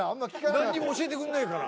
何にも教えてくんないから。